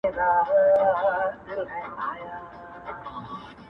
• څه له محتسب څخه، څه له نیم طبیب څخه -